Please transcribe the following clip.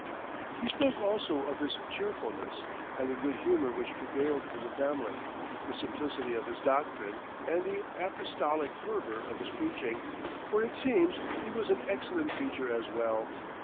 He spoke also of his cheerfulness, and the good humor which prevailed in the family, the simplicity of his doctrine, and the apostolic fervor of his preaching; for, it seems, he was an excellent preacher as well.